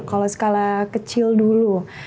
kalau skala kecil dulu